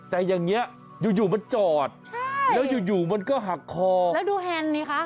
แต่อย่างนี้อยู่มันจอดแล้วอยู่มันก็หักคอกแล้วดูแฮนด์นี่คะ